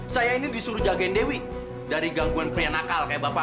saya ini disuruh jagain dewi dari gangguan pria nakal kayak bapak